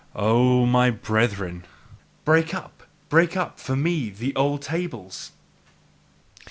O my brethren, break up, break up for me the old tables!